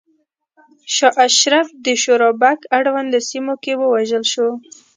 شاه اشرف د شورابک اړونده سیمو کې ووژل شو.